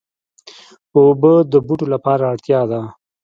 اوبه د بوټو لپاره اړتیا ده.